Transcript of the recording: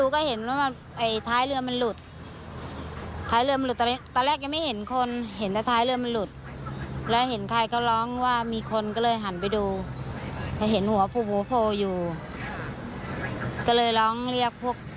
เค้าก็เลยโดดไปช่วย